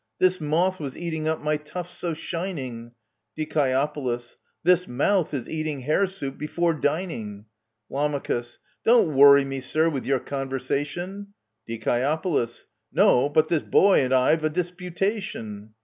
This moth was eating up my tufts so shining ! Die. This mouth is eating hare soup before dining ! Lam. Don't worry me, sir, with your conversation ! Die. No ;— but this boy and I've a disputation.